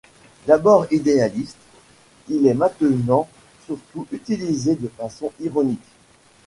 D'abord idéaliste, il est maintenant surtout utilisé de façon ironique.